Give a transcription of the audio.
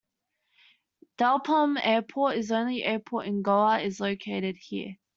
Dabolim Airport, the only airport in Goa, is located here.